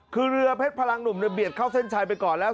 คือเรือเพชรพลังหนุ่มเบียดเข้าเส้นชัยไปก่อนแล้ว